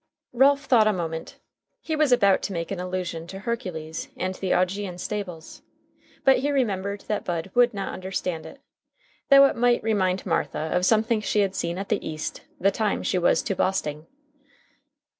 Ralph thought a moment. He was about to make an allusion to Hercules and the Augean stables, but he remembered that Bud would not understand it, though it might remind Martha of something she had seen at the East, the time she was to Bosting.